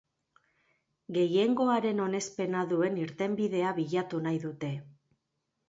Gehiengoaren onespena duen irtenbidea bilatu nahi dute.